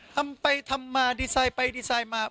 ทำไปทำมาดีไซน์ไปดีไซน์มา